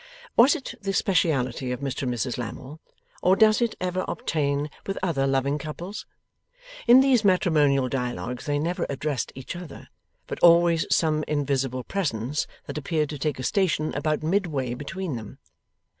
Was it the speciality of Mr and Mrs Lammle, or does it ever obtain with other loving couples? In these matrimonial dialogues they never addressed each other, but always some invisible presence that appeared to take a station about midway between them.